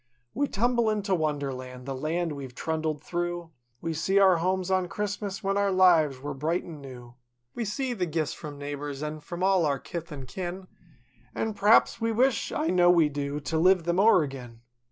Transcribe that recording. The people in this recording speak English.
We tumble into Wonderland—the land we've trundled through— We see our homes on Christmas, when our lives were bright an' new; We see the gifts from neighbors, an' from all our kith an' kin— An' p'raps we wish—I know we do, to live them o'er agin.